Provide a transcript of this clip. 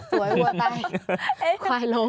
สวยหัวใต้ควายล้ม